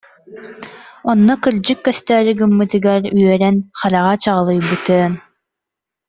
Онно кырдьык көстөөрү гыммытыгар үөрэн, хараҕа чаҕылыйбытыан